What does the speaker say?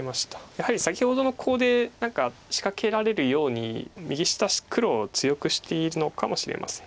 やはり先ほどのコウで何か仕掛けられるように右下黒を強くしているのかもしれません。